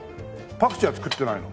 パクチーは作ってないの？